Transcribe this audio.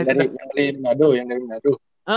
yang dari menado yang dari menado